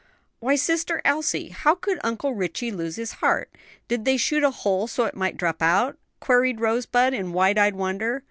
"Why, Sister Elsie, how could Uncle Ritchie lose his heart? did they shoot a hole so it might drop out?" queried Rosebud in wide eyed wonder.